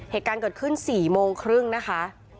เหตุการณ์เกิดขึ้น๔โมงครึ่งนะคะ